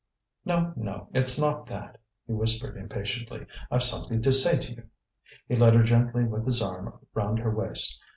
"No, no, it's not that," he whispered impatiently. "I've something to say to you." He led her gently with his arm round her waist.